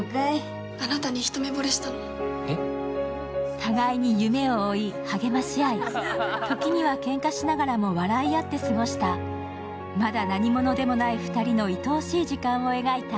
互いに夢を追い励まし合い時にはけんかしながらも笑い合って過ごしたまだ何者でもない２人の愛おしい時間を描いた